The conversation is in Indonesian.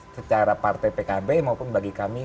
secara partai pkb maupun bagi kami